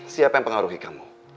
siapa yang pengaruhi kamu